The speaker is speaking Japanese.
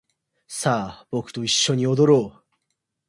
さあ僕と一緒に踊ろう